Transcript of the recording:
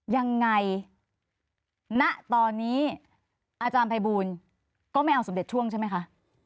ยังไงณตอนนี้อาจารย์ภัยบูลก็ไม่เอาสมเด็จช่วงใช่ไหมคะ